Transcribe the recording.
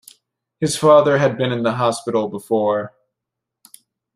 His father had been in the hospital before.